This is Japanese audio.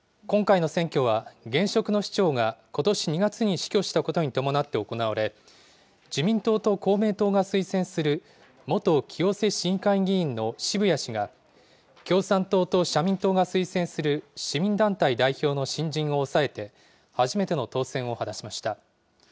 今回の選挙は、現職の市長がことし２月に死去したことに伴って行われ、自民党と公明党が推薦する元清瀬市議会議員の渋谷氏が、共産党と社民党が推薦する市民団体代表の新人を抑えて、初めての当選を果たしました。